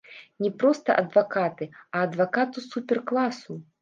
Не проста адвакаты, а адвакаты супер-класу.